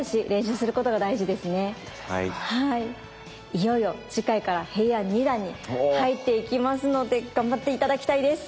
いよいよ次回から平安二段に入っていきますので頑張って頂きたいです。